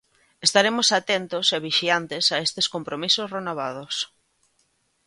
Estaremos atentos e vixiantes a estes compromisos renovados.